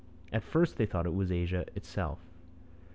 At first they thought it Asia itself.